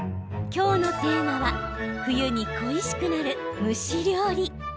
今日のテーマは冬に恋しくなる蒸し料理。